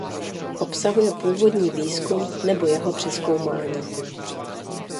Obsahuje původní výzkum nebo jeho přezkoumání.